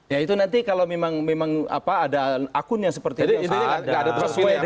ya itu nanti kalau memang apa ada akun yang seperti itu